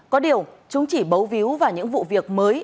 có điều chúng chỉ bấu víu vào những vụ việc mới